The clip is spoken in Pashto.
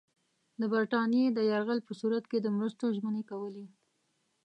د برټانیې د یرغل په صورت کې د مرستو ژمنې کولې.